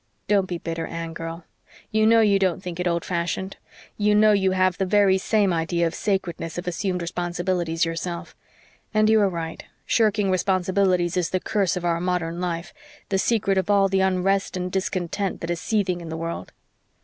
"Don't be bitter, Anne girl. You know you don't think it old fashioned you know you have the very same idea of sacredness of assumed responsibilities yourself. And you are right. Shirking responsibilities is the curse of our modern life the secret of all the unrest and discontent that is seething in the world."